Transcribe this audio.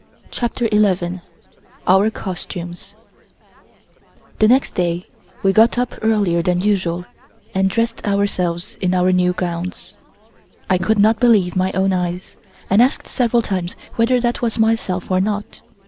CHAPTER ELEVEN OUR COSTUMES THE next day we got up earlier than usual and dressed ourselves in our new gowns. I could not believe my own eyes, and asked several times whether that was myself or not.